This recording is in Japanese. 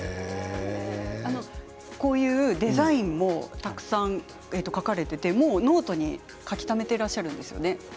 こういうデザインをたくさん描かれていてノートに描きためていらっしゃるんですね。